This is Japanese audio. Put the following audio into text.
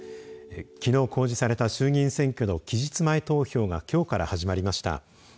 きのう公示された衆議院選挙の期日前投票がきょうから始まりました。